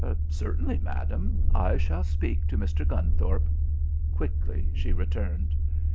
"Certainly, madam. I shall speak to Mr. Gunthorpe." Quickly she returned.